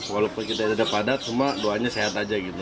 walaupun kita ada padat semua doanya sehat aja gitu